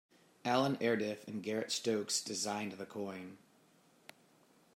Alan Ardiff and Garrett Stokes designed the coin.